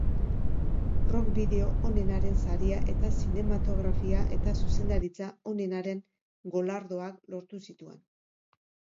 Rock bideo onenaren saria eta zinematografia eta zuzendaritza onenaren golardoak lortu zituen.